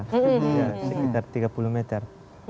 sekitar tiga puluh meter